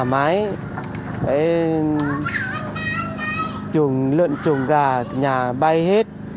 nói lượn trùng gà nhà bay hết